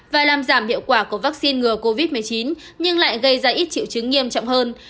và làm giảm hiệu quả của vaccine ngừa covid một mươi chín nhưng lại gây ra ít triệu chứng nghiêm trọng hơn